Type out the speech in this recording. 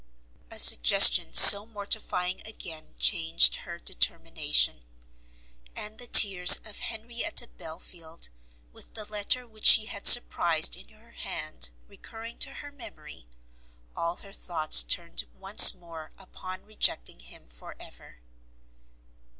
A suggestion so mortifying again changed her determination; and the tears of Henrietta Belfield, with the letter which she had surprized in her hand recurring to her memory, all her thoughts turned once more upon rejecting him for ever.